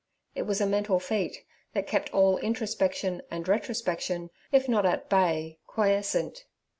It was a mental feat that kept all introspection and retrospection, if not at bay, quiescent.